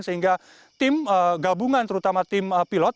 sehingga tim gabungan terutama tim pilot